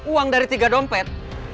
uang dari tiga dompet